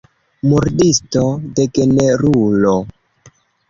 Murdisto, degenerulo.